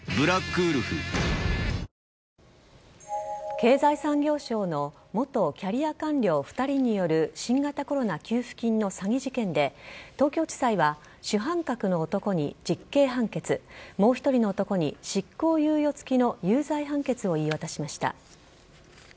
経済産業省の元キャリア官僚２人による新型コロナ給付金の詐欺事件で、東京地裁は、主犯格の男に実刑判決、もう１人の男に執行猶予付きの有罪判決を言い渡しました。